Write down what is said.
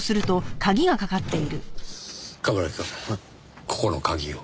冠城くんここの鍵を。